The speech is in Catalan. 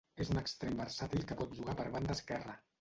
És un extrem versàtil que pot jugar per banda esquerra.